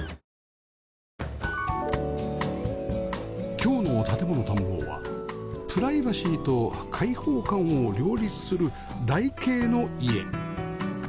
今日の『建もの探訪』はプライバシーと開放感を両立する台形の家